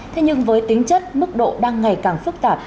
thế nhưng với tính chất mức độ đang ngày càng phức tạp